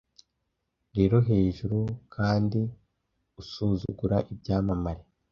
Rero hejuru kandi usuzugura ibyamamare